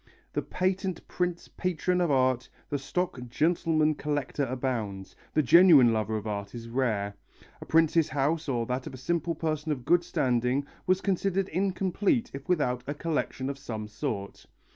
The patent prince patron of art, the stock gentleman collector abounds, the genuine lover of art is rare. A prince's house or that of a simple person of good standing was considered incomplete if without a collection of some sort.